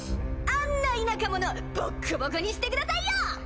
あんな田舎者ボッコボコにしてくださいよ！